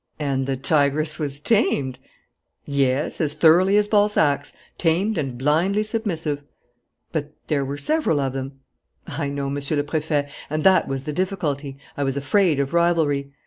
"And the tigress was tamed?" "Yes, as thoroughly as Balzac's: tamed and blindly submissive." "But there were several of them?" "I know, Monsieur le President, and that was the difficulty. I was afraid of rivalry.